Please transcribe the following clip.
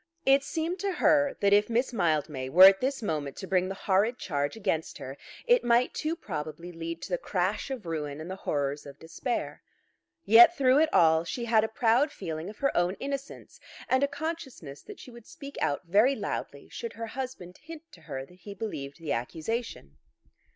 It seemed to her that if Miss Mildmay were at this moment to bring the horrid charge against her, it might too probably lead to the crash of ruin and the horrors of despair. And yet, through it all, she had a proud feeling of her own innocence and a consciousness that she would speak out very loudly should her husband hint to her that he believed the accusation.